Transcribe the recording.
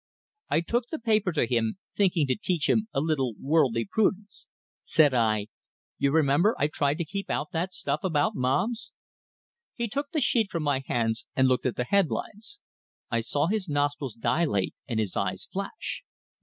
I took the paper to him, thinking to teach him a little worldly prudence. Said I: "You remember, I tried to keep out that stuff about mobs " He took the sheet from my hands and looked at the headlines. I saw his nostrils dilate, and his eyes flash.